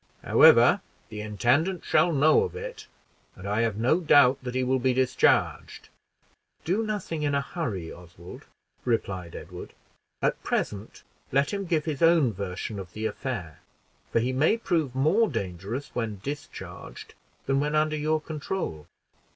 However, the intendant shall know of it, and I have no doubt that he will be discharged. "Do nothing in a hurry, Oswald," replied Edward; "at present let him give his own version of the affair, for he may prove more dangerous when discharged than when under your control.